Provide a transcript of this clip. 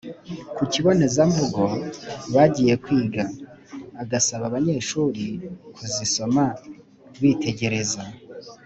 ku kibonezamvugo bagiye kwiga, agasaba abanyeshuri kuzisoma bitegereza